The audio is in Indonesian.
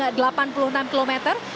kemudian dari arah cianjur cisau jawa barat